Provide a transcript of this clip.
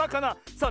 さあ。